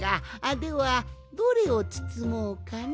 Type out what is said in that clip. ではどれをつつもうかな？